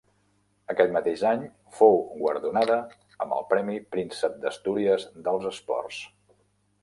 Aquest mateix any fou guardonada amb el Premi Príncep d'Astúries dels Esports.